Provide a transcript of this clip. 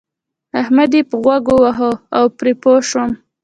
احمد يې په غوږ وواهه زه پرې پوه شوم.